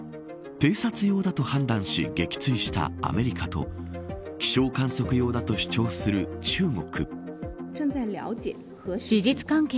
偵察用だと判断し撃墜したアメリカと気象観測用だと主張する中国。